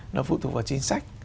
nó phụ thuộc vào chính sách